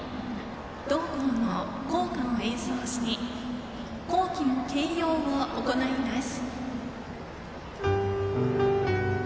同校の校歌を演奏し校旗の掲揚を行います。